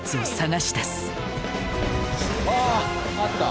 あああった。